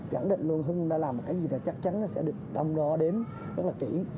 gắn định luôn hưng đã làm một cái gì đó chắc chắn nó sẽ được đong đo đếm rất là kỹ